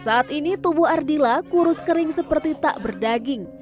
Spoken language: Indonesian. saat ini tubuh ardila kurus kering seperti tak berdaging